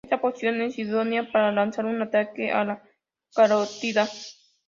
Esta posición es idónea para lanzar un ataque a la carótida.